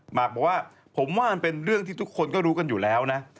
หมากบอกว่าผมว่ามันเป็นเรื่องที่ทุกคนก็รู้กันอยู่แล้วนะ